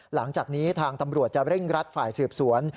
หลังจากนี้ทางตำรวจจะเร่งรัดฝ่ายสืบสวน